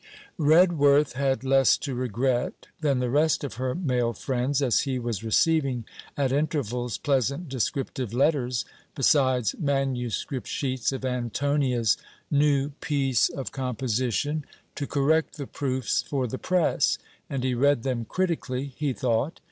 Redworth had less to regret than the rest of her male friends, as he was receiving at intervals pleasant descriptive letters, besides manuscript sheets of ANTONIA'S new piece of composition, to correct the proofs for the press, and he read them critically, he thought.